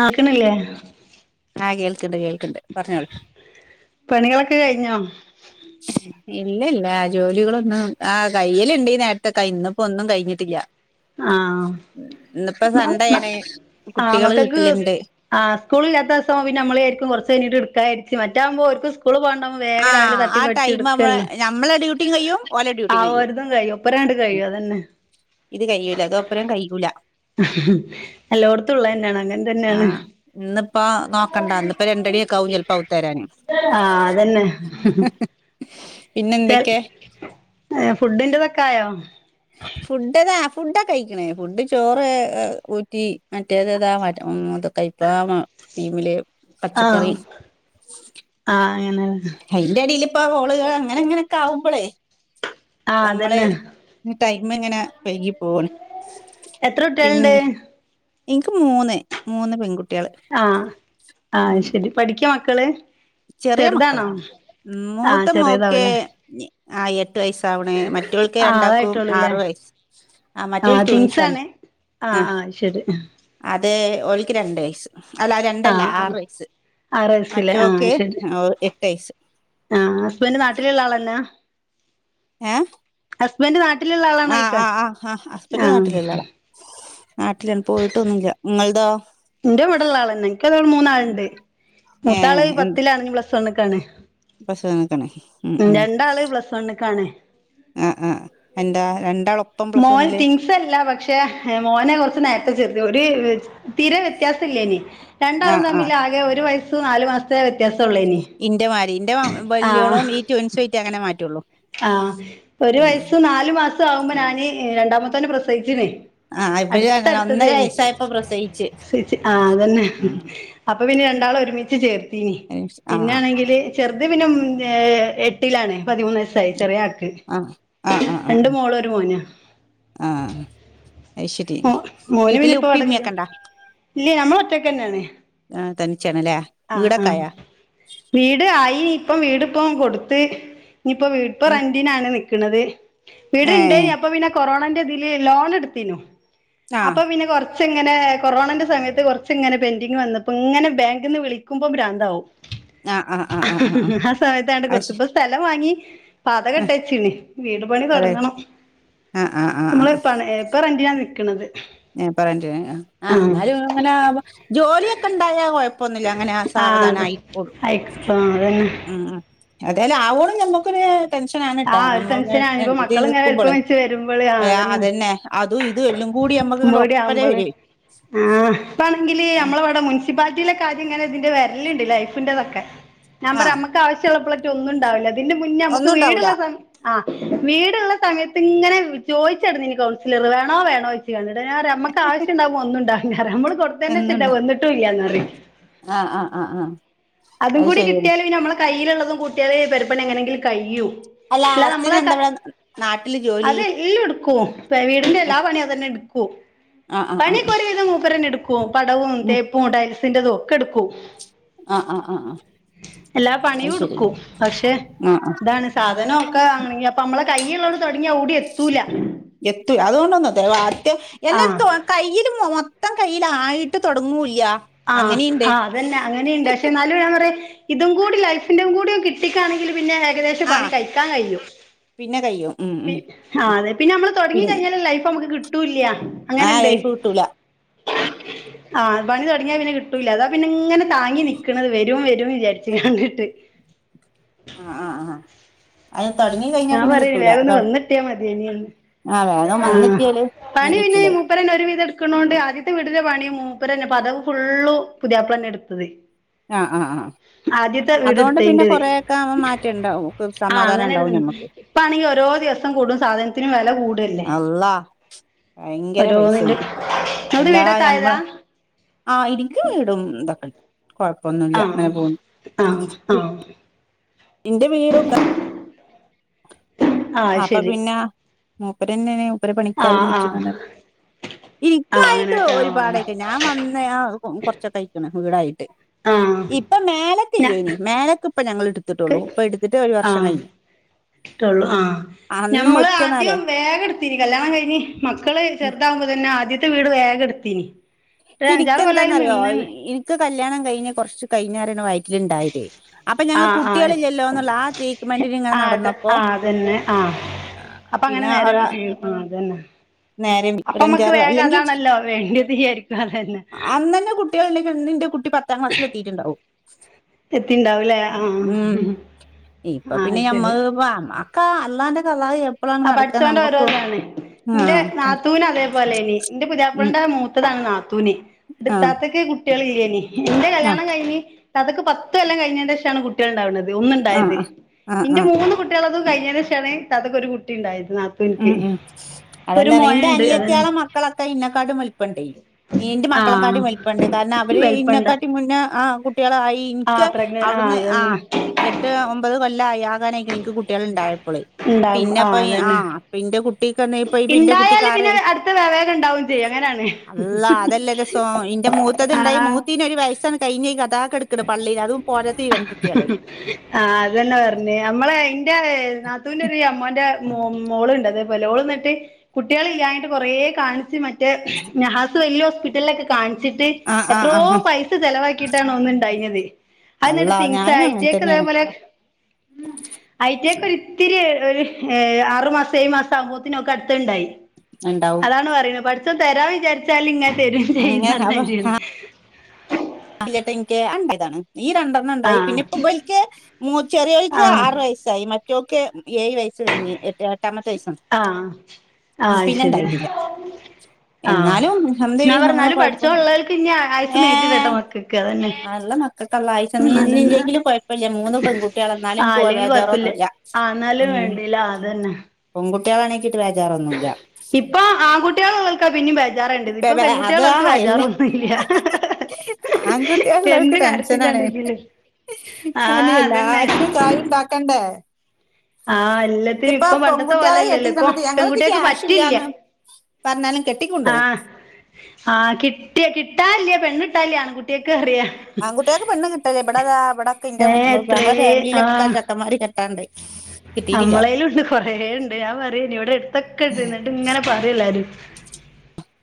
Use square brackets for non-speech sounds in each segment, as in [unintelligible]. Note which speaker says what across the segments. Speaker 1: കേക്ക്ണില്ലേ?
Speaker 2: ആഹ് കേൾക്ക്ണ്ട് കേൾക്ക്ണ്ട് പറഞ്ഞോളി
Speaker 1: പണികളൊക്കെ കഴിഞ്ഞോ?
Speaker 2: ഇല്ല ഇല്ല ആ ജോലികളൊന്നും ആഹ് കയ്യല്ണ്ട് ഈ നേരത്തൊക്കെ ഇന്നിപ്പൊ ഒന്നും കഴിഞ്ഞിട്ടില്ല
Speaker 1: ആഹ്
Speaker 2: ഇന്ന്പ്പം സൺ‌ഡയേണ്
Speaker 1: ആഹ്
Speaker 2: കുട്ടികള്
Speaker 1: മക്കൾക്ക്
Speaker 2: വീട്ടില്ണ്ട്
Speaker 1: ആഹ് സ്കൂള് ഇല്ലാത്ത ദിവസം പിന്നെ നമ്മള് വിചാരിക്കും കുറച്ച് കഴിഞ്ഞിട്ട് എടുക്കാ വിചാരിച്ച് മറ്റേ ആവുമ്പൊ ഓൽക്ക് സ്കൂള് പോവാണ്ടാവും. വേഗം രാവിലെ
Speaker 2: ആഹ്
Speaker 1: തട്ടി
Speaker 2: ആ
Speaker 1: പെട്ച്ച്
Speaker 2: ടൈം നമ്മളെ
Speaker 1: എടുക്കല്ലാം
Speaker 2: നമ്മളെ ഡ്യൂട്ടിം കഴിയും ഓലെ ഡ്യൂട്ടിം
Speaker 1: ആഹ് ഓരതും കഴിയും. ഒപ്പരണ്ട് കഴിയും അതന്നെ.
Speaker 2: ഇത് കയ്യൂല ഇത് ഒപ്പരം കയ്യൂല.
Speaker 1: എല്ലോട്ത്തും ഉള്ളതന്നെണ് അങ്ങൻ തന്നെണ്.
Speaker 2: ഇന്ന്പ്പോ നോക്കണ്ടാ ഇന്ന്‌പ്പ രണ്ടണിയൊക്കെ ആവും ചെൽപ്പോ അവ്ത്ത് കെറന്.
Speaker 1: ആഹ് അതന്നെ.
Speaker 2: പിന്നെന്തെക്കെ.
Speaker 1: ഏ ഫുഡിന്റെതൊക്കായോ.
Speaker 2: ഫുഡ്താ ഫുഡക്കയ്ക്ക്ണ് ഫുഡ് ചോറ് ഊറ്റി മറ്റേത് മറ്റ ഇതൊക പ്പാ [unintelligible] ടീമില്. പച്ചക്കറി
Speaker 1: ആഹ് ആഹ് അങ്ങനെണ്.
Speaker 2: അയിന്റെടീല് പ്പ ഓള് അങ്ങനങ്ങനക്കാവുമ്പളേ
Speaker 1: ആഹ്
Speaker 2: നമ്മള്.
Speaker 1: അതന്നെ
Speaker 2: ടൈമ്ങ്ങനെ വൈകി പോവണ്
Speaker 1: എത്ര
Speaker 2: പി
Speaker 1: കുട്ടികളുണ്ട്
Speaker 2: ഇൻക്ക് മൂന്ന് മൂന്ന് പെൺകു
Speaker 1: ആഹ് ആഹ് അത് ശരി പഠിക്ക്യ മക്കള്.
Speaker 2: ചെറിയ മക്കള
Speaker 1: ചെറുതാണോ ആഹ്
Speaker 2: മൂത്ത മോക്ക്
Speaker 1: ചെറിയതാവൂലേ
Speaker 2: ആ എ ട്ട് വയസ്സാവണ് മറ്റോൾക്ക്
Speaker 1: ആഹ്
Speaker 2: രണ്ടാക്കും
Speaker 1: അതായിട്ടുള്ളൂല്ലേ
Speaker 2: ആറ്‌ വയസ്സ് ആ
Speaker 1: ആഹ്
Speaker 2: മറ്റോള് ടൂൻസാണ്.
Speaker 1: ട്വിൻസാണ് ആഹ് ആഹ് ശരി.
Speaker 2: അത് ഓല്ക്ക് രണ്ട് വയസ് അല്ല രണ്ടല്ല
Speaker 1: ആഹ്
Speaker 2: ആറ്
Speaker 1: ആഹ്
Speaker 2: വയസ്സ്
Speaker 1: ആറ് വയസ്സില്ലേ
Speaker 2: മറ്റോ
Speaker 1: ആഹ് ശരി
Speaker 2: ആ എട്ട് വയസ്സ്.
Speaker 1: ആഹ് ഹസ്ബൻഡ് നാട്ടിലുള്ള ആളല്ലാ.
Speaker 2: ഏഹ്.
Speaker 1: ഹസ്ബൻഡ് നാട്ടിലുള്ള ആളാണോയിക്ക
Speaker 2: ആ ആ ഹസ്ബൻഡ്
Speaker 1: ആഹ്.
Speaker 2: നാട്ടിലുള്ള ആളാ നാട്ടിലാണ് പോയിട്ടൊന്നുല്ല ഇങ്ങൾതോ.
Speaker 1: ഇന്റെ ഇവടെള്ള ആളന്നെ എനക്ക് [unintelligible] മൂന്നാളുണ്ട്
Speaker 2: ഏ
Speaker 1: മൂത്താള് പത്തിലാണ് ഇഞ്ഞ് പ്ലസ് വണ്ണ്ക്കാണ്.
Speaker 2: പ്ലസ് വണ്ണ്ക്കാണ് ഉം ഉം.
Speaker 1: ണ്ടാള് പ്ലസ് വണ്ണ്ക്കാണ്.
Speaker 2: ആഹ് ആഹ് എന്താ രണ്ടാളു ഒപ്പം പ്ലസ് വണ്ണില്.
Speaker 1: സല്ല പക്ഷെ എ മോനെ കൊറച്ച് നേരത്തെ ചേർത്തി ഒര് തീരെ വ്യത്യാസല്ലേനി. രണ്ടാളും
Speaker 2: ആഹ്
Speaker 1: തമ്മിൽ
Speaker 2: ആഹ്
Speaker 1: ആകെ ഒരു വയസ്സു നാല് മാസത്തെ വ്യത്യാസൊ
Speaker 2: ഇന്റെ മാരി ഇന്റെ ബല്യോളം ഈ ട്വിൻസായിറ്റ് അങ്ങനെ മാറ്റുള്ളൂ.
Speaker 1: ആഹ് ഒരു
Speaker 2: ഉം
Speaker 1: വയസ്സു നാലു മാസു ആകുമ്പ ഞാന് രണ്ടാമത്തോനെ പ്രസവിച്ച്ണ്.
Speaker 2: ആഹ് ഇവര് അങ്ങനെ ഒന്നര
Speaker 1: അട്ത്തട്ത്തതേനി
Speaker 2: വയസ്സായപ്പോ പ്രസവിച്ച്
Speaker 1: സവിച്ച് ആഹ് അതന്നെ.
Speaker 2: ഉം
Speaker 1: അപ്പൊ പിന്നെ രണ്ടാളു ഒരുമിച്ച് ചേർത്തീ
Speaker 2: ആഹ്
Speaker 1: പിന്നാണെങ്കില്. ചെർത് പിന്നെ ഉം ഏ എട്ടിലാണ് പതിമൂന്ന് വയസ്സായി ചെറിയ ആക്
Speaker 2: ആഹ് ആഹ് ആഹ്
Speaker 1: രണ്ട്
Speaker 2: ആഹ്
Speaker 1: മോളു ഒരു മോനാ.
Speaker 2: ആഹ് അയ് ശരി
Speaker 1: മോ
Speaker 2: വീട്ടില് ഉപ്പി ഉമ്മെക്കണ്ടാ.
Speaker 1: ഇല്ലെ നമ്മളൊറ്റക്കെന്നേണ്.
Speaker 2: ആഹ് തൻച്ചണ് ലേ.
Speaker 1: ആഹ് ആഹ് വീട് ആയി ഇപ്പം വീട്പ്പൊ കൊടുത്ത് ഇഞ്ഞ്പ്പ വീ ഇപ്പ
Speaker 2: ഉം
Speaker 1: റന്റിനാണ് നിക്ക്ണത് വീട്
Speaker 2: ഏഹ്
Speaker 1: ഇണ്ടെനി അപ്പൊ പിന്നെ. കൊറോണന്റതിൽ ലോണ് ഇട്ത്തീനു
Speaker 2: ആഹ്
Speaker 1: അപ്പ പിന്നെ കൊർ ച്ച്ങ്ങനെ കൊറോണന്റെ സമയത്ത് കൊറച്ച്ങ്ങനെ പെന്ഡിങ് വന്നപ്പ ഇങ്ങനെ ബാങ്ക്ന്ന് വിളിക്കുമ്പം ഭ്രാന്താവും.
Speaker 2: ആഹ് ആഹ് ആഹ് ആഹ് ആഹ് ആഹ്
Speaker 1: ആ സമയത്തണ്ട്
Speaker 2: അത് ശ
Speaker 1: കൊടുത്ത് ഇപ്പ സ്ഥലം വാങ്ങി. പാതകം
Speaker 2: ആ
Speaker 1: ഇട്ടെ ച്ചീണ് വീട് പണി
Speaker 2: അതെ
Speaker 1: തൊടങ്ങണം
Speaker 2: ആഹ് ആഹ് ആഹ്
Speaker 1: നമ്മള് പണ ഇപ്പൊ റെന്റിനാ നിക്ക്ണത്
Speaker 2: എ പ്പൊ റെന്റിന് ആ ന്നാലും അങ്ങനാകുമ്പൊ ജോലിയൊക്കെണ്ടായ കൊഴ പ്പൊന്നില്ല അങ്ങനെ ആ
Speaker 1: ആഹ്
Speaker 2: സാവധാനം
Speaker 1: അതെ
Speaker 2: ആയിക്കോളും
Speaker 1: ആയിക്കോ ആഹ് അതന്നെ
Speaker 2: ഉം ഉം ഏതായാലും ആവോളം ഞമ്മക്കൊര് ടെൻഷനാണ് ട്ടൊ
Speaker 1: ആഹ് ഒരു
Speaker 2: നമ്മള് ങ്ങനെ
Speaker 1: ടെൻഷനാണ് ഇനിപ്പോ
Speaker 2: റെന്റിന്
Speaker 1: മക്കളിങ്ങനെ വലിപ്പം
Speaker 2: നിക്കുമ്പളെ
Speaker 1: വലിച്ച് വരുമ്പള്
Speaker 2: ആഹ് അതെന്നെ അതും ഇതും എല്ലും കൂടി ഞമ്മക്ക്
Speaker 1: മ്പോടി ആവുമ്പള് ആ ഇപ്പാണെങ്കില്
Speaker 2: ആഹ്
Speaker 1: നമ്മളെവടെ മുൻസി സിപ്പാലിറ്റിലൊക്കെ ആദ്യം ങ്ങനെ ഇതിന്റെ വെര്ല്ണ്ട് ലൈഫിന്റെതൊക്കെ ഞാൻ പറയ
Speaker 2: ആഹ്
Speaker 1: ഞമ്മ ക്കാവശ്യള്ളപ്പളെറ്റൊന്നുണ്ടാവൂല ഇതിന്റെ മുന്നെ നമ്മക്ക്
Speaker 2: ഒന്നും ഉണ്ടാവൂല
Speaker 1: വീട്ള്ള ആഹ് വീട്ള്ള സമയത്ത്ങ്ങനെ ചോയ്ച്ചട്ന്നിനി കൗൺസിലറ് വേണോ വേണോ യ്ച്ച് [unintelligible] ഞമ്മക്ക് ആവശ്യണ്ടാവുമ്പൊ ഒന്നുണ്ടാവൂലാർയാ ഞമ്മള് കൊട്ത്തേന്റെഷം ന്റത്
Speaker 2: ഒന്നുണ്ട
Speaker 1: വെന്ന്ട്ടുല്ലാറിയും
Speaker 2: ആഹ് ആഹ് ആഹ്
Speaker 1: അതും
Speaker 2: അത്
Speaker 1: കൂടി
Speaker 2: ശരിയാണ്
Speaker 1: കിട്ട്യാല് പിന്നമ്മളെ കയ്യിലുള്ളതും കൂട്ട്യാല് പെരപ്പണി എങ്ങനെങ്കിലും കയ്യും
Speaker 2: അല്ല
Speaker 1: ഇല്ല
Speaker 2: ഹസ്സിന്
Speaker 1: നമ്മളെ
Speaker 2: എന്താ
Speaker 1: ക
Speaker 2: ഇവിടെ നാട്ടില് ജോലി
Speaker 1: അത് ല്ല് ട്ക്കും പെ വീടിന്റെ എല്ലാ
Speaker 2: ആഹ്
Speaker 1: പണിയും അതെന്നെ ഇട്ക്കും
Speaker 2: ആഹ് ആഹ് ആഹ്
Speaker 1: പണിയൊക്കെ
Speaker 2: ആഹ്
Speaker 1: ഒരു വിധം മൂപ്പരെന്നെട് കൊ പടവും
Speaker 2: ഉം
Speaker 1: തേപ്പും ടയിൽസ്ന്റതും ഒക്കെട്ക്കും
Speaker 2: ആഹ് ആഹ് ആഹ്
Speaker 1: എല്ലാ
Speaker 2: അത്
Speaker 1: പണിയും
Speaker 2: ശരി
Speaker 1: ട്ക്കും പക്ഷെ
Speaker 2: ആഹ് ആഹ്
Speaker 1: ഇതാണ് സാധനം ഒക്കെ വാങ്ങണെങ്കി അപ്പൊ നമ്മളെ കയ്യിള്ളോണ്ട് തൊടങ്യാ എവടെത്തൂല
Speaker 2: എത്തും അതോണ്ടൊന്നും എത്തൂല [unintelligible]
Speaker 1: ആഹ്
Speaker 2: എന്നത്തും കയ്യില് മൊ ത്തം കയ്യിലായിട്ട് തൊടങ്ങുല്യാ
Speaker 1: ആഹ് ആ അതെന്നെ അങ്ങനെണ്ട് പക്ഷെ ന്നാലും ഞാൻ പറയാ ഇതും കൂടി ലൈഫിന്റേം കൂടിഒന്ന് കിട്ടിക്കാണെങ്കില് പിന്നെ ഏകദേശം പണി
Speaker 2: ആഹ്
Speaker 1: കഴിക്കാൻ കയ്യും
Speaker 2: [unintelligible] കയ്യും ഉം
Speaker 1: പി
Speaker 2: ഉം
Speaker 1: അതെ പിന്നമ്മള് തൊടങ്ങി
Speaker 2: പിൻ
Speaker 1: കഴിഞ്ഞാലെ ലൈഫമ്മക്ക് കിട് ട്ടുല്യ
Speaker 2: ആ
Speaker 1: അങ്ങനെണ്ട്
Speaker 2: ലൈഫ് കിട്ടൂല
Speaker 1: ആ പണി തൊട ങ്യാ പിന്നെ കിട്ടൂല്ല അതാ പിന്നെങ്ങനെ താങ്ങി നിക്ക്ണത് വെരും വെരും വിചാരിച്ച്ങ്ങാണ്ട്ട്ട്
Speaker 2: ആഹ് ആഹ് ആഹ് അത് തൊടങ്ങി കയ്ഞ്ഞാ
Speaker 1: ഞാൻ
Speaker 2: പിന്നെ
Speaker 1: പറയും
Speaker 2: കിട്ടൂല
Speaker 1: വേഗം ഒന്ന് വന്നിട്ടിയാ മതിയേനിന്ന്
Speaker 2: ആഹ് വേഗം വന്ന്ട്ട്യാല് ന്നാ കയ്ച്ചിലായി
Speaker 1: പ്പരെന്നെ ഒരു വിധം ഇട്ക്ക്ണോണ്ട് ആദ്യത്തെ വീടിന്റെ പണി മൂപ്പരെന്നെ പടവ് ഫുള്ളും പുതിയാപ്ലന്നെ ഇട്ത്തത്
Speaker 2: ആഹ് ആഹ് ആഹ് അതോണ്ട് പിന്നെ
Speaker 1: എടുത്തതിന്റേത്
Speaker 2: കൊറെക്കെ മാറ്റണ്ടാവും ഓക്ക്
Speaker 1: ആഹ് അങ്ങനെ ഒരു
Speaker 2: സമാധാനണ്ടാവും ഞമ്മ
Speaker 1: ഇപ്പാണെങ്കി ഓരോ ദിവസം കൂടും സാധനത്തിനും വെല കൂ
Speaker 2: അള്ളാഹ് ഭയങ്കര
Speaker 1: ഓരോന്നിന്റെ
Speaker 2: പൈസേണ്
Speaker 1: നിങ്ങൾത്
Speaker 2: എല്ലാ
Speaker 1: വീടൊക്കെ ആയതാ
Speaker 2: ഞമ്മളെ ആ ഇന്ക്ക് വീടും തൊക്കെണ്ട് കൊഴപ്പൊന്നു
Speaker 1: ആഹ് ആഹ് ആഹ്
Speaker 2: ഇന്റെ വീടും ക
Speaker 1: ആഹ് അത്
Speaker 2: അപ്പൊ
Speaker 1: ശരി
Speaker 2: പിന്നെ മൂപ്പരെന്നെണ് മൂപ്പരെ പണിക്കാരും
Speaker 1: ആഹ് ആഹ്
Speaker 2: വെച്ച്ക്കാണ്ടെ
Speaker 1: ആഹ് അങ്ങനെട്ടാ
Speaker 2: ഇക്കായിട്ടൊരുപാടായി ഞാൻ വന്ന് ആഹ് കൊർച്ചൊക്കായ്ക്ക്ണ് വീടായിട്ട്
Speaker 1: ആഹ്
Speaker 2: ഇപ്പം
Speaker 1: ഞ
Speaker 2: മേലെക്കില്ലേനി മേലെക്ക് ഇപ്പൊ ഞങ്ങള് ഇട്ത്ത്ട്ടൊള്ളു ഇപ്പൊ ഇട്ത്ത്ട്ട് ഒരു വർഷം കഴിഞ്
Speaker 1: റ്റൊള്ളു ആഹ്
Speaker 2: അന്ന്
Speaker 1: ഞമ്മള്
Speaker 2: ഒറ്റന്നാലേ
Speaker 1: ആദ്യം വേഗട് ത്തിനി കല്യാണം കഴിഞ്ഞ് മക്കള് ചെറുതാകുമ്പൊ തെന്നെ ആദ്യത്തെ വീട് വേഗട്ത്തീനി ഒരു അഞ്ചാറ് കൊല്ലയ്ല് നിന്ന്ണ്
Speaker 2: ക്ക് കല്യാണം കയിഞ്ഞ് കൊറച്ച് കയിഞ്ഞേരെയാണ് വയറ്റിലിണ്ടായതെ അപ്പൊ
Speaker 1: ആ
Speaker 2: ഞങ്ങള്
Speaker 1: ആ
Speaker 2: കുട്ട്യേളില്ലല്ലോന്നുള്ള ആ ട്രീറ്റ്മെന്റിൽ ഇങ്ങനെ നടന്നപ്പോ
Speaker 1: അപ്പ അങ്ങനെ
Speaker 2: പിന്നെ
Speaker 1: നേരം
Speaker 2: ഒരാ
Speaker 1: [unintelligible] ആഹ് അതന്നെ
Speaker 2: നേരെ
Speaker 1: അപ്പ ഇമ്മക്ക്
Speaker 2: ഒരഞ്ചാറ്
Speaker 1: വേഗം
Speaker 2: അല്ലെങ്കിൽ
Speaker 1: അതാണല്ലോ വേണ്ടിയത് വിചാരിക്കും അതെന്നെ
Speaker 2: കുട്ടികള്ണ്ടേ ഇന്നിന്റെ കുട്ടി പത്താം ക്ലാസ്സിൽ എത്തിയിട്ട്ണ്ടാവും
Speaker 1: എത്തിണ്ടാവൂലേ ആ
Speaker 2: ഉം ഇപ്പൊ
Speaker 1: ആ
Speaker 2: പിന്നെ ഞമ്മ
Speaker 1: ശരി
Speaker 2: [unintelligible] ക്കാ അന്നാന്റെ [unintelligible]
Speaker 1: ആഹ് പടച്ചോൻ്റെ ഓരോ ഇതാണ്
Speaker 2: ആ
Speaker 1: ഇന്റെ
Speaker 2: ക-
Speaker 1: നാത്തൂന് അതേപോലേനി ഇന്റെ
Speaker 2: ഉം
Speaker 1: പുതിയാപ്പളേന്റെ മൂത്തതാണ് നാത്തൂന്
Speaker 2: ആ
Speaker 1: ഇത്താത്തക്ക് കുട് കുട്ടികളില്ലേനി ഇന്റെ
Speaker 2: ആ
Speaker 1: കല്യാണം കഴിഞ്ഞ് ഇത്താത്തക്ക് പത്ത് കൊല്ലം കഴിഞ്ഞേൻ്റേഷാണ് കുട്ട് കുട്ട്യേള് ഇണ്ടാവുന്നത്
Speaker 2: ആ
Speaker 1: ഒന്നുണ്ടായത്
Speaker 2: ആ ആ ആ
Speaker 1: ഇന്റെ മൂന്ന് കുട്ടികളതും കഴിഞ്ഞേന് ശേഷാണ് ഇത്താത്താക്ക് ഒരു കുട് കുട്ടിയ്ണ്ടായത് നാത്
Speaker 2: ഉം ഉം അതെന്നെയാണ് ഇന്റെ
Speaker 1: അതന്നെ
Speaker 2: അനിയത്തിയാളെ മക്കളൊക്കെ ഇന്നെക്കാട്ടിലും വലിപ്പണ്ടേ ഇന്റെ
Speaker 1: ആഹ്
Speaker 2: മക്കളെക്കാട്ടും വലിപ്പണ്ട് കാരണം അവര്
Speaker 1: വലുപ്പണ്ട
Speaker 2: ഇന്നെക്കാട്ടി മുന്നേ ആഹ് കുട്ടികളായി
Speaker 1: ആ
Speaker 2: ഇൻക്ക്
Speaker 1: പ്രഗ്ന ആ
Speaker 2: അവിട്ന്ന്
Speaker 1: അതന്നെ
Speaker 2: ആഹ് എട്ട് ഒമ്പത് കൊല്ലായി ആകാനായിക്കണ് ഇൻക്ക് കുട് കുട്ട്യേള് ഇണ്ടായപ്പളെ
Speaker 1: ഉണ്ടാവും ആ
Speaker 2: പിന്നെപ്പം ഇ
Speaker 1: അതന്നെ
Speaker 2: ആഹ് ഇപ്പ ഇന്റെ കുട്ടീക്ക് [unintelligible] ഇപ്പ ഇന്റെ
Speaker 1: ഇണ്ടായാല് പിന്നെ
Speaker 2: കുട്ടിക്കാരായി
Speaker 1: അടുത്ത വേവേഗം ഉണ്ടാവും ചെയ്യും അങ്ങനാണ്
Speaker 2: അള്ളാ അതല്ലാ രസോ ഇന്റെ മൂത്തത് ഇണ്ടായി
Speaker 1: ആഹ്
Speaker 2: മൂത്തീന് ഒരു വയസ്സാണ് കഴിഞ്ഞ് അതാ കെടക്കണ് പള്ളേല് അതും പോരാത്തെ ഈ രണ്ട് കുട്ട്യേള്
Speaker 1: ആഹ് അതെന്നെ പറഞ്ഞേ നമ്മളെ ഇന്റെ നാത്തൂന്റെ ഒരു അമ്മോന്റെ മോ മോള്ണ്ട് അതേപോലെ ഓള്ന്നിട്ട് കുട്ട്യേള് ഇല്ലാഞ്ഞിയിട്ട് കൊറെ കാണിച്ച് മറ്റേ നഹാസ് വലിയ ഹോസ്പിറ്റലിലൊക്കെ കാണിച്ചിട്ട്
Speaker 2: ആ ആ
Speaker 1: എത്രോ
Speaker 2: ആ
Speaker 1: പൈസ ചെലവാക്കിയിട്ടാണ് ഒന്ന് ണ്ടായിനിയത് അത് ഇന്നട്ട്
Speaker 2: അള്ളാ
Speaker 1: ട്വിൻസാ
Speaker 2: ഞാനും അങ്ങൻ
Speaker 1: അയിറ്റിയേക്ക്
Speaker 2: തന്നേണ്
Speaker 1: ഇതേപോലെ
Speaker 2: [inaudible]
Speaker 1: ആയിറ്റിയേക്ക് ഒരിത്തിരി ഒരു ഏഹ് ആറുമാസം ഏഴ് മാസം ആവുമ്പോത്തിന് ഓക്ക് അടുത്തെണ്ടായി
Speaker 2: ഇണ്ടാവും
Speaker 1: അതാണ് പറയണെ പടച്ചോൻ തെരാൻ വിചാരിച്ചാല് ഇങ്ങനെ തെരും ചെയ്യൂന്ന്
Speaker 2: അങ്ങനെ
Speaker 1: പറഞ്ഞമാതിരിയാണ്
Speaker 2: ഇല്ലാട്ടോ എനിക്ക് [unintelligible] ഈ രണ്ടെണ്ണം
Speaker 1: ആ
Speaker 2: ഇണ്ടായി പിന്നെ ഇപ്പ ഇബലിക്ക് മൂ ചെറിയോലിക്ക്
Speaker 1: ആ
Speaker 2: ആറ് വയസ്സ് ആയി മറ്റോക്ക് ഏഴ് വയസ്സ് കയിഞ്ഞ് എട് എട്ടാമത്തെ വയസ്സാണ്
Speaker 1: ആഹ് ആഹ് അയ് ശെരി
Speaker 2: ഉം എന്നാലും അൽഹം ദുലി അങ്ങനെ
Speaker 1: എന്നാലും
Speaker 2: കൊഴപ്പൊ
Speaker 1: പഠിച്ചോൻ ഉള്ളവർക്ക് ഇനി ആയുസ് നീട്ടിടട്ടോ
Speaker 2: ഏഹ്
Speaker 1: മക്കൾക്ക് അതന്നെ
Speaker 2: ആഹ് ഇള്ള മക്കക്ക് അള്ളാ ആയിസ് തന്നി ഇന്നി
Speaker 1: എന്നാലെന്നാ
Speaker 2: ഇല്ലെങ്കിലും കൊഴപ്പെല്ലാ മൂന്ന് പെൺ കുട്ടികളാ എന്നാലും
Speaker 1: ആഹ്
Speaker 2: ഇൻക്ക്
Speaker 1: അല്ലെങ്കിൽ കൊഴപ്പില്ല
Speaker 2: വേജാറൊന്നൂല്ലാ
Speaker 1: ആഹ് ഇന്നാലും വേണ്ടീല്ലാ അത് തന്നെ
Speaker 2: പൊൺകുട്ടികളാണക്കിട്ട് വേജാറൊന്നൂല്ല
Speaker 1: ഇപ്പ ആൺകുട്ട്യേള് ഇള്ളോൽക്ക് ക്കാ പിന്നിം ബേജാറേണ്ടിയത് ഇപ്പ പെൺകുട്ട്യേള്
Speaker 2: അത്
Speaker 1: ഇള്ളോൽക്ക് ബേജാറൊന്നൂല്ലാ
Speaker 2: ആൺകുട്ട്യേള് ഇള്ളോല്ക്ക് ടെൻഷനാണ് [unintelligible]
Speaker 1: ആഹ് അതന്നെ
Speaker 2: എല്ലാത്തിനും കായ് ഇണ്ടാക്കണ്ടേ
Speaker 1: ആഹ് എല്ലാത്തിനും
Speaker 2: ഇതിപ്പ
Speaker 1: ഇപ്പൊ പണ്ടത്തെ
Speaker 2: പൊൺകുട്ട്യേളെ
Speaker 1: പോലെല്ലല്ലോ
Speaker 2: കെട്ടിച്ച
Speaker 1: ഇപ്പൊ
Speaker 2: സമയത്ത് ഞങ്ങളെട്ത്ത്
Speaker 1: പെൺകുട്ടികൾക്ക്
Speaker 2: ക്യാഷില്ലാ
Speaker 1: പറ്റില്ല
Speaker 2: പർഞ്ഞ് പറഞ്ഞാലും കെട്
Speaker 1: ആഹ് ആഹ് കിട്ടിയാ കിട്ടാൻല്ലാ പെണ്ണിട്ടാല്ലാന്ന് ആൺ കുട്ട്യേക്ക് പറയാ
Speaker 2: ആങ്കുട്ടിയേക്ക് പെണ്ണ് കിട്ടാല്ലാ ഇബടെ ഇതാ ഇബടെക്കെ ഇൻ്റെ
Speaker 1: ഏഹ്
Speaker 2: പെങ്ങളെ ഫാമിലീലൊക്കെ ചെക്കന്മാര് കെട്
Speaker 1: അമ്മളേലുണ്ട് കൊറേ ഇണ്ട് ഞാൻ പറയേനി ഇവിടടുത്തൊക്കെണ്ട്‌ ഇന്നിട്ടിങ്ങനെ പറിം എല്ലാരും.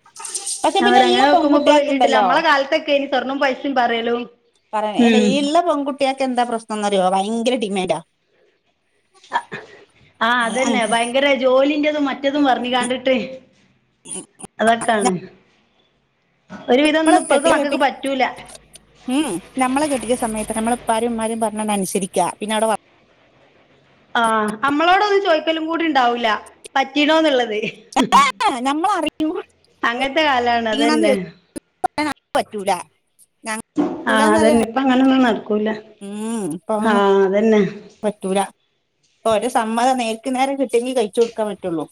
Speaker 2: [unintelligible]
Speaker 1: അവരങ്ങനെ
Speaker 2: എല്ലാ
Speaker 1: നോക്കുമ്പോ ഇപ്പൊ പെണ്ണ്
Speaker 2: പെൺകുട്ടികൾക്ക്
Speaker 1: കിട്ടില്ല
Speaker 2: ഉണ്ടല്ലോ
Speaker 1: നമ്മള കാലത്തക്കെനി സ്വർണ്ണം പൈസയും പറേലും
Speaker 2: പറയെ ഈ ഇള്ള പെൺകുട്ടിയൾക്കെന്താന്താ പ്രശ്നന്നറിയോ ഭയങ്കര ഡിമാൻഡാ
Speaker 1: അഹ് ആ
Speaker 2: അത്
Speaker 1: അതന്നെ
Speaker 2: അങ്ങ്
Speaker 1: ഭയങ്കരെ ജോലീൻ്റെതും മറ്റതും പറഞ്ഞികാണ്ടിട്ട് അതൊക്കാണ് ഒര് വിധം ഒന്നും ഇപ്പൾത്തെ മക്കക്ക് പറ്റൂല
Speaker 2: ഏഹ് ഏ നമ്മളെ കെട്ടിക്ക സമയത്ത് നമ്മളെ ഉപ്പാരും ഉമ്മാരും പറഞ്ഞങ്ങ നുസരിക്കാ പിന്നവിടെ വർ
Speaker 1: ആഹ് അമ്മളോടൊന്നും ചോയ്ക്കലും കൂടി ഉണ്ടാവൂല പറ്റീണോന്നുള്ളത് ഇഹ് ഹും
Speaker 2: നമ്മൾ അറിയുമ്പോ
Speaker 1: അങ്ങൻത്തെ കാലാണ് അതന്നെ
Speaker 2: ഇപ്പ അങ്ങനാർക്കും പറ്റൂല ഞങ്ങൾ
Speaker 1: ആ
Speaker 2: പറ്റൂലെന്ന്
Speaker 1: അതന്നെ
Speaker 2: അറിയാൻ
Speaker 1: ഇപ്പങ്ങനൊന്നും നടക്കൂല
Speaker 2: ഉം ഇപ്പൊ
Speaker 1: ആ
Speaker 2: ഒന്നും
Speaker 1: അതന്നെ
Speaker 2: പറ്റൂല ഇപ്പൊ ഓരെ സമ്മതം നേര്ക്ക് നേരെ കിട്ടിയങ്കി കയിച്ചു കൊടുക്കാൻ പറ്റുള്ളൂ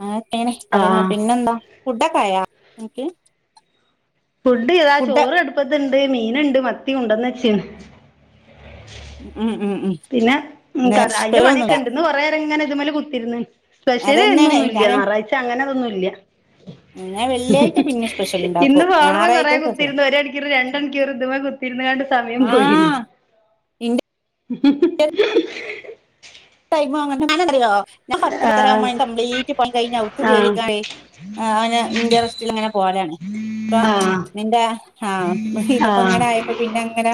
Speaker 2: അങ്ങനെ ഒക്കെ ആണ് കാര്യങ്ങൾ
Speaker 1: ആഹ്
Speaker 2: പിന്നെന്താ ഫുഡക്കായാ നിക്ക്
Speaker 1: ഫുഡീതാ ചോറടുപ്പത്തിണ്ട് മീന്ണ്ട് മത്തി കൊണ്ടന്ന് വെച്ചേണ്
Speaker 2: ഉം ഉം ഉം
Speaker 1: പിന്നെ ഉം കറാ അയിന്റെ
Speaker 2: സ്പെഷ്യലൊന്നുല്ല
Speaker 1: പണിയക്കെണ്ട് ഇന്ന് കൊറേനേരം ഇങ്ങനെ ഇതുമേല് കുത്തിര്ന്ന് പെഷില് ഇന്നൊന്നും
Speaker 2: അതന്നെയാണ്
Speaker 1: ഇല്ല
Speaker 2: ഞാന്
Speaker 1: ഞാറാഴ്ച അങ്ങനതൊന്നും ഇല്ല
Speaker 2: ഞാൻ വെള്ളിയാഴ്ച പിന്നെ സ്പെഷ്യൽ
Speaker 1: ഇന്ന്
Speaker 2: ഉണ്ടാക്കും
Speaker 1: ഫോൺമ്മെ കൊറേ
Speaker 2: ഞായറാഴ്ച സ്പെഷ്യൽ
Speaker 1: കുത്തിയിരുന്ന് ഒര് മണിക്കൂറ് രണ്ടണിക്കൂറ് ഇതുമെ കുത്തി കുത്തിരുന്ന്കാണ്ട്‌ സമയം പോയിണ്
Speaker 2: ആഹ് ഇന്റെ
Speaker 1: ഉം ഹ് ഹ്
Speaker 2: ടൈം എങ്ങനണറിയോ ഞാൻ പത്ത് പത്തര
Speaker 1: ആഹ്
Speaker 2: മണി ആകുമ്പോ പണി എല്ലാം കംപ്ലീറ്റ് കഴിഞ്ഞ് ഔത്ത്‌
Speaker 1: ആഹ്
Speaker 2: കേറിട്ട് ആ ആ ഞാൻ ഇന്റെ റസ്റ്റിലങ്ങനെ പോണെയാണ്
Speaker 1: ആഹ്
Speaker 2: നിന്റെ ഹാ
Speaker 1: ആഹ്
Speaker 2: ഇത്പ്പങ്ങനായപ്പ പിന്ന അങ്ങനെ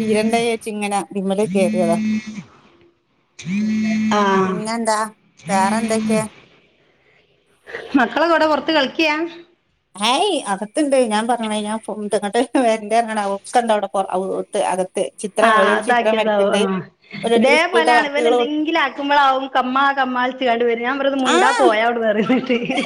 Speaker 2: തീരണ്ടേച്ചിങ്ങനെ ഇതിമേൽ കേറിയതാ
Speaker 1: ആഹ്
Speaker 2: പിന്നേ എന്താ വേറെന്തെക്കെ
Speaker 1: മക്കൾ ഒക്കെ എവിടെ പൊറത്ത് കളിക്ക്യാ
Speaker 2: ഹേയ് അകത്ത്ണ്ട് ഞാൻ പറഞ്ഞ്ണ് അയിന് ഫോൺ തങ്ങട്ട് [unintelligible] [unintelligible]
Speaker 1: ആ അതാക്കിയതാവും ആഹ്
Speaker 2: ഓരോരുത്തർ
Speaker 1: ഇതേ
Speaker 2: സ്കൂളത്തെ
Speaker 1: പോലാണ്
Speaker 2: വർക്കുകൾ
Speaker 1: ഇവലെന്തെങ്കിലും അക്ക്മളാവും കമ്മാ കമ്മാ വിളിച്ചാണ്ട് വരും ഞാൻ പറയും ഒന്ന് മുണ്ടാ പോയേവിട്ന്ന് പറയും. പി ഹി ഹി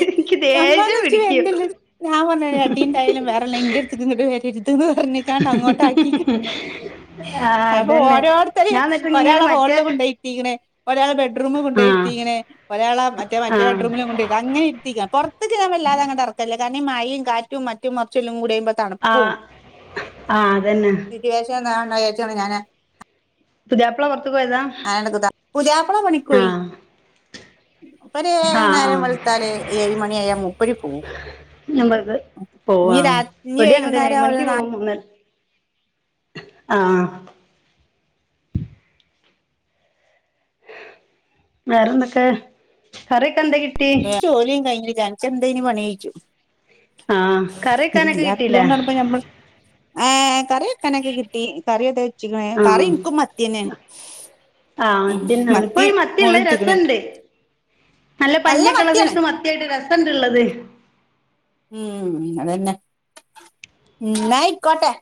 Speaker 2: കമ്മാന്ന് എന്ന് വിളിച്ച് വെരണ്ട ഞാപറഞ്ഞ് ഒരടീന്റൊയാലും വേറല്ലയ് എന്റെടുത്ത്ക്ക്ങ്ങട്ട് വരരുതെന്ന് പറഞ്ഞിക്കാണ്ടങ്ങോട്ടാക്കിക്കിൺ
Speaker 1: [inaudible] ആഹ്
Speaker 2: അപ്പൊ
Speaker 1: അതന്നെ
Speaker 2: ഓരോരുത്തെരിം
Speaker 1: ഞാൻ എന്നിട്ട് ഇങ്ങനെ
Speaker 2: ഒരാളെ
Speaker 1: മറ്റേ
Speaker 2: ഹോളില് കൊണ്ടോയി ഇരുതീക്ക്ണ് ഒരാളെ ബെഡ്റൂമ് കൊണ്ടോയ്
Speaker 1: ആഹ്
Speaker 2: ഇരുതീക്ക്ണ് ഒരാളെ മറ്റേ മറ്റേ
Speaker 1: ആഹ്
Speaker 2: ബെഡ്റൂമിലും കൊണ്ട് അങ്ങനെ ഇര്ത്തിക്ക പൊർത്ത്ക്ക് ഞാൻ വല്ലാതെ അങ്ങട്ട് എർക്കലില്ല കാരണം ഈ മയിം കാറ്റും മറ്റും മർച്ചും എല്ലം കൂടി അയ്മ്പ
Speaker 1: ആഹ് ആഹ് അതന്നെ.
Speaker 2: സിറ്റുവേഷൻ താവണ്ടാ വിചാരിച്ചാണ് ഞാൻ
Speaker 1: പുതിയാപ്പള പൊറത്ത്ക്ക് പോയതാ
Speaker 2: അങ്ങനെ [unintelligible] പുതിയാപ്ല പണിക്കോയി.
Speaker 1: ആഹ്
Speaker 2: മൂപ്പെര്
Speaker 1: ആഹ്
Speaker 2: ന്നേരേം
Speaker 1: ആഹ്
Speaker 2: വെളുത്താല് ഏയ് മണിയായ മൂപ്പെര് പോവും.
Speaker 1: ഞമ്മൾത്
Speaker 2: ഇനി
Speaker 1: പോവാണ്
Speaker 2: രാത്രി ഇനി
Speaker 1: ഇവടിം അങ്ങൻത്തെന്നെ ഏഴ്
Speaker 2: വൈകുന്നേരം ഒരു
Speaker 1: മണിക്ക് പോവും ഒന്ന് ആഹ് വേറെന്തൊക്കെ കറിയൊക്കെ എന്തെകി
Speaker 2: വെറെ ജോലിം കഴ്‌ഞ്ഞില അൻക്ക് എന്തേനു പണിയോയ്ച്ചും.
Speaker 1: ആഹ് കറി
Speaker 2: ഇത്
Speaker 1: വെക്കാനൊക്കെ കിട്ടീല്ലേ
Speaker 2: ഇല്ലാത്തതോണ്ടാണ് ഇപ്പൊഞമ്മെള് ഏഹ് കറിവെക്കാനൊക്കെ കിട്ടി കറിക്കെ വെച്ച്ക്ക്ണ്
Speaker 1: ആഹ്
Speaker 2: കറിഇൻക്കും മത്തിയെന്നെ.
Speaker 1: ആഹ് തിന്നാ ഇപ്പൊ മത്തിയ്ള്ളെ രെസെണ്ട്. ന്നല്ലെ
Speaker 2: നല്ല
Speaker 1: പഞ്ഞിഒക്കെള്ള
Speaker 2: മത്തിയാണ്
Speaker 1: സെയ്സ് മത്തിയായിട്ട് രെസെണ്ട് ഇള്ളെത്.
Speaker 2: ഉം അതെന്നെ ഉംന്നായ്ക്കോട്ടെ.